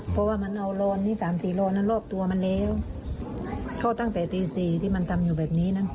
เพราะว่ามันเอารอนที่สามสี่รอนนั้นรอบตัวมันแล้วเข้าตั้งแต่ตีสี่ที่มันทำอยู่แบบนี้นะ